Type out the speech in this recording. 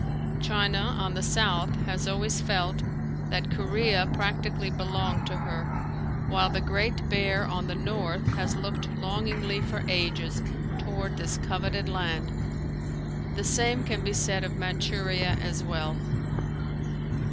China on the south has always felt that Korea practically belonged to her, while the Great Bear on the north has looked longingly for ages toward this coveted land. The same can be said of Manchuria as well.